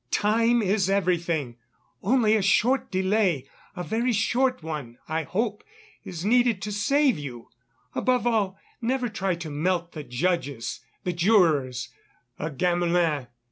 Time is everything; only a short delay, a very short one, I hope, is needed to save you.... Above all, never try to melt the judges, the jurors, a Gamelin.